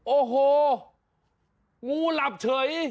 โอ้โหงูหลับเฉย